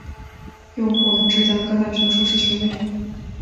又获芝加哥大学硕士学位。